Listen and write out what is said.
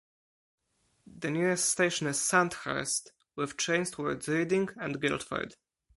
The nearest station is Sandhurst, with trains towards Reading and Guildford.